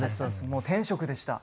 もう天職でした。